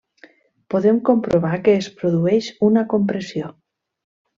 Podem comprovar que es produeix una compressió.